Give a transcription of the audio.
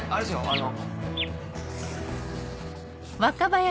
あの。